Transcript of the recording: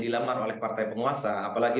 dilamar oleh partai penguasa apalagi